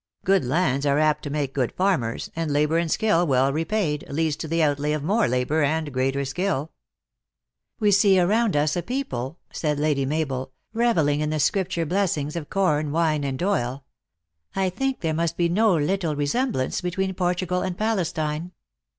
Good lands are apt to make good farmers, and labor and skill well repaid, leads to the outlay of more labor and greater skill." " We see around us a people," said Lady Mabel, "reveling in the Scripture blessings of corn, wine, and oil. I think there must be no little resemblance between Portugal and Palestine."